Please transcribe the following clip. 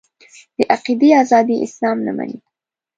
د عقیدې ازادي اسلام نه مني.